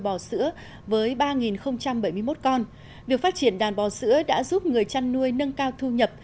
bò sữa với ba bảy mươi một con việc phát triển đàn bò sữa đã giúp người chăn nuôi nâng cao thu nhập